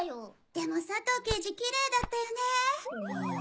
でも佐藤刑事キレイだったよね。